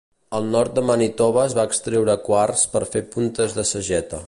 Al nord de Manitoba es va extreure quars per fer puntes de sageta.